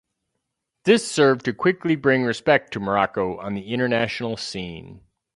This served to quickly bring respect to Morocco on the international scene.